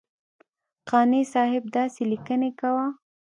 قانع صاحب داسې لیکنې کوه.